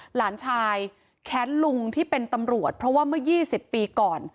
หลานชายแค้นลุงที่เป็นตำรวจเพราะว่าเมื่อ๒๐ปีก่อน